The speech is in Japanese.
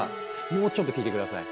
もうちょっと聞いて下さい。